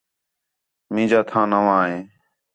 مینجا تھاں نواں ہے